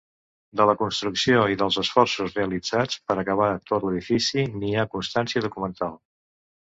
De la construcció i dels esforços realitzats per acabar tot l'edifici, n'hi ha constància documental.